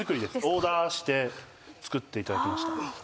オーダーして作っていただきました。